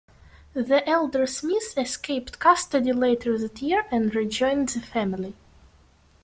The elder Smith escaped custody later that year and rejoined the family.